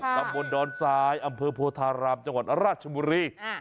ปั้มบนดอนซ้ายอำเภอโภธารามจังหวัดรัชมุนี